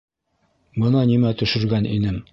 Бына нимә төшөргән инем: